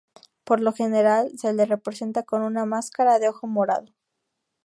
Por lo general, se le representa con una máscara de ojo morado.